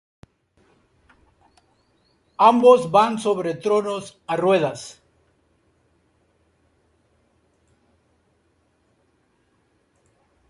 Ambos van sobre tronos a ruedas.